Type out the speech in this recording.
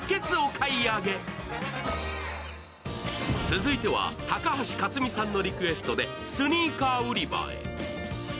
続いては高橋克実さんのリクエストでスニーカー売り場へ。